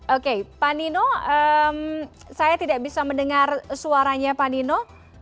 oke panino saya tidak bisa mendengar suaranya panino